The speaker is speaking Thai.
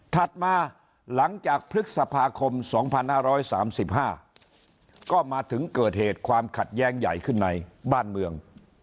มาหลังจากพฤษภาคม๒๕๓๕ก็มาถึงเกิดเหตุความขัดแย้งใหญ่ขึ้นในบ้านเมือง